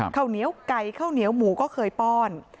ข้าวเหนียวไก่ข้าวเหนียวหมูก็เคยป้อน